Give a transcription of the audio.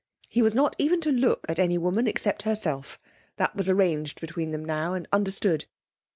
He was not even to look at any woman except herself, that was arranged between them now and understood.